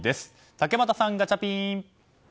竹俣さん、ガチャピン！